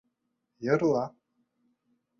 Йырла!